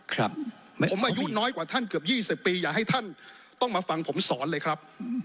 ผมอายุน้อยกว่าท่านเกือบ๒๐ปีอย่าให้ท่านต้องมาฟังผมสอนเลยครับ